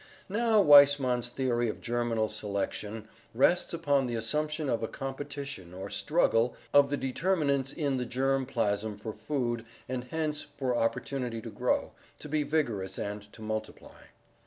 Now Weismann's theory of germinal selection rests upon the assumption of a competition or 'struggle' of the determinants in the germ plasm for food and hence for opportunity to grow, to be vigorous, and to multiply.